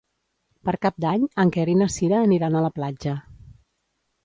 Per Cap d'Any en Quer i na Cira aniran a la platja.